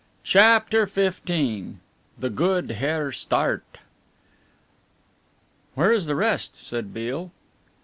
CHAPTER XV THE GOOD HERR STARDT "Where is the rest?" said Beale.